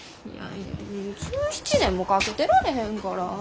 いやいや１７年もかけてられへんから。